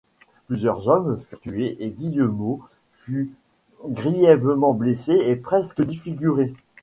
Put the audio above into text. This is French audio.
Plusieurs hommes furent tués et Guillemot fut grièvement blessé et presque défiguré.